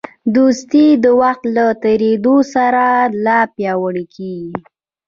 دوستي د وخت له تېرېدو سره لا پیاوړې کېږي.